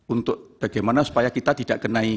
untuk bagaimana supaya kita tidak kenai